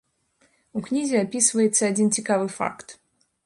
У кнізе апісваецца адзін цікавы факт.